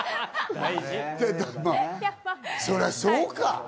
そりゃそうか。